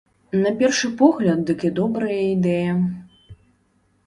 На першы погляд дык і добрая ідэя.